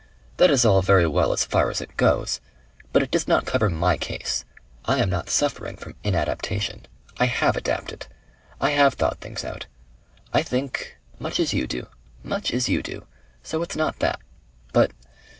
"That is all very well as far as it goes. But it does not cover my case. I am not suffering from inadaptation. I HAVE adapted. I have thought things out. I think much as you do. Much as you do. So it's not that. But